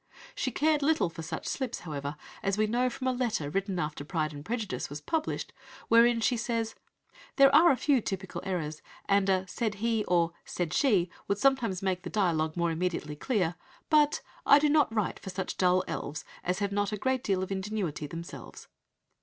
She cared little for such slips, however, as we know from a letter written after Pride and Prejudice was published, wherein she says: "There are a few typical errors, and a 'said he' or 'said she' would sometimes make the dialogue more immediately clear, but 'I do not write for such dull elves,' as have not a great deal of ingenuity themselves."